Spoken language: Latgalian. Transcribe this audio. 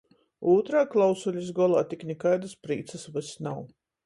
Ūtrā klausulis golā tik nikaidys prīcys vys nav.